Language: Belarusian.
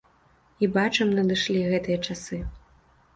І бачым надышлі гэтыя часы.